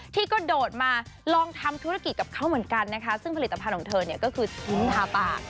ที่ก็โดดมาลองทำธุรกิจกับเขาเหมือนกันนะคะซึ่งผลิตภัณฑ์ของเธอเนี่ยก็คือชิ้นทาปาก